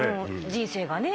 人生がね。